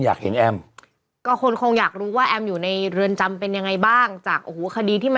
ถ้าธนายพัฒน์เข้าไปปุ๊บมือมืออะไรอย่างนี้